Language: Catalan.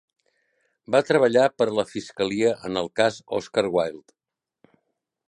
Va treballar per a la fiscalia en el cas Oscar Wilde.